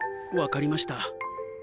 分かりました。